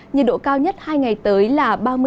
nhiệt độ cao nhất hai ngày tới là